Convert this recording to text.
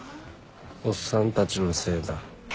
おっさんたちのせいだ。